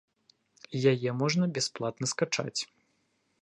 Яе можна бясплатна скачаць.